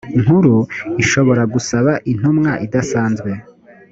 nkuru ishobora gusaba intumwa idasanzwe